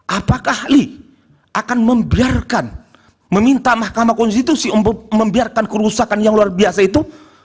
apakah ahli akan membiarkan meminta mahkamah konstitusi untuk membiarkan kerusakan yang luar biasa itu